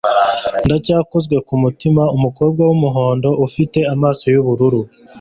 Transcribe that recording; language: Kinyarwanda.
Ndacyakozwe ku mutima umukobwa wumuhondo ufite amaso yubururu